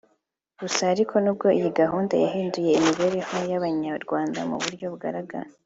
Gusa ariko nubwo iyi gahunda yahinduye imibereho y’Abanyarwanda mu buryo bugaragara